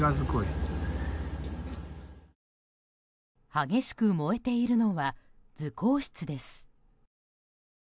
激しく燃えているのは図工室です。